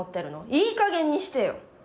いいかげんにしてよ！